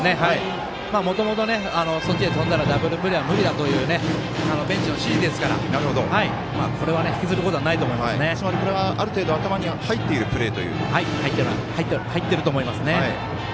もともとそっちへ飛んだらダブルプレーは無理だというベンチの指示ですからこれは引きずることはないとつまり、これはある程度入っていると思いますね。